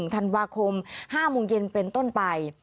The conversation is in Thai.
ธันวาคม๕โมงเย็นเป็นต้นไป